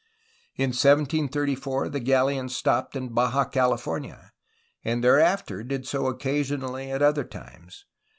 In 1734 the galleon stopped in Baja California, and thereafter did so occasionally at other times.